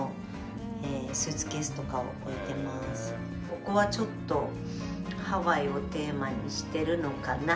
ここはちょっとハワイをテーマにしてるのかな。